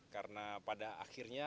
karena pada akhirnya